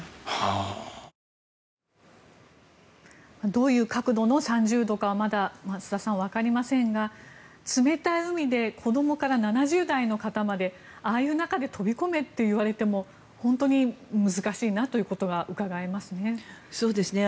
どういう角度の３０度かはまだ増田さん、わかりませんが冷たい海で子どもから７０代の方までああいう中で飛び込めと言われても本当に難しいなということがうかがえますね。